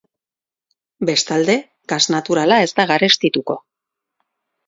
Bestalde, gas naturala ez da garestituko.